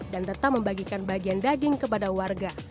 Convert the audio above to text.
dan tetap membagikan bagian daging kepada warga